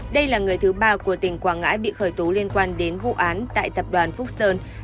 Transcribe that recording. đây là người thứ ba của tỉnh quảng ngãi bị khởi tố liên quan đến vụ án tại tập đoàn phúc sơn